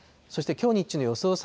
そしてきょう日中の予想